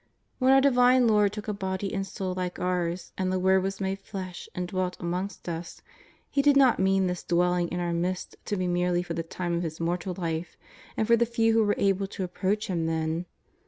When our Divine Lord took a body and soul like ours and the Word was made Flesh and dwelt amongst us. He did not mean this dwelling in our midst to be merely for the time of His mortal life, and for the few who were able to approach Him then.